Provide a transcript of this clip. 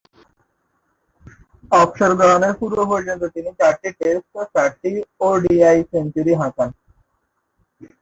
অবসর গ্রহণের পূর্ব-পর্যন্ত তিনি চারটি টেস্ট ও চারটি ওডিআই সেঞ্চুরি হাঁকান।